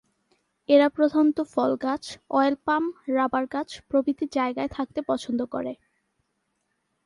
এরা প্রধানত ফল গাছ, অয়েল পাম, রাবার গাছ প্রভৃতি জায়গায় থাকতে পছন্দ করে।